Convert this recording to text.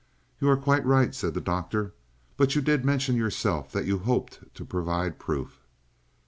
"You are quite right," said the Doctor; "but you did mention yourself that you hoped to provide proof."